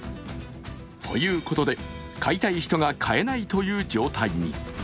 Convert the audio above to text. ということで、買いたい人が買えないという状態に。